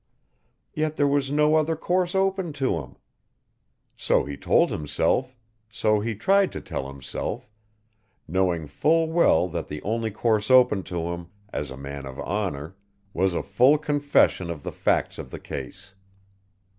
Yet there was no other course open to him. So he told himself so he tried to tell himself, knowing full well that the only course open to him as a man of honour was a full confession of the facts of the case.